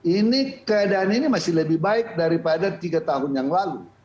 ini keadaan ini masih lebih baik daripada tiga tahun yang lalu